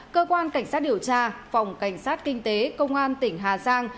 cơ quan cảnh sát điều tra phòng cảnh sát kinh tế công an tỉnh hà giang